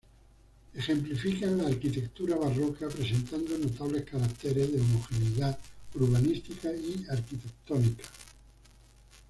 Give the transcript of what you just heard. Ejemplifican la arquitectura barroca presentando notables caracteres de homogeneidad urbanística y arquitectónica.